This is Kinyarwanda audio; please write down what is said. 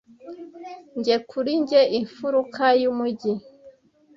njye kuri njye imfuruka yumujyi